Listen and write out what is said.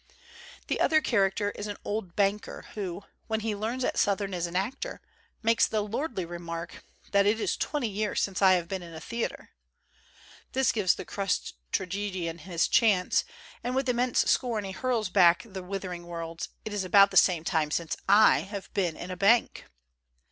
The other character is an old banker, who, when he learns that Sothern is an actor, makes the lordly remark that "it is twenty years since I have been in a theater." This gives the crushed tragedian his chance, and with immense scorn he hurls back the withering words, "It is about the same time since / have been in a bank!"